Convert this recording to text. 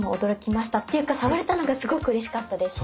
っていうか触れたのがすごくうれしかったです。